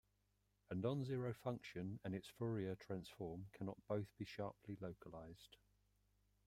A nonzero function and its Fourier transform cannot both be sharply localized.